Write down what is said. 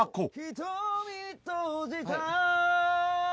瞳閉じた